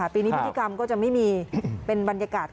ปีนี้พิธีกรรมก็จะไม่มีเป็นบรรยากาศ